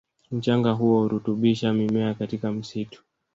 Mchanga huo hurutubisha mimea katika msitu